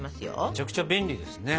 めちゃくちゃ便利ですね。